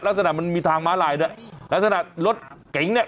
ลักษณะมันมีทางม้าลายด้วยลักษณะรถเก๋งเนี่ย